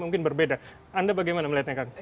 mungkin berbeda anda bagaimana melihatnya kang